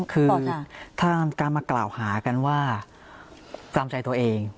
คือถ้าการมากล่าวหากันว่าตามใจตัวเอง